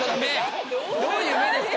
どういう目ですか？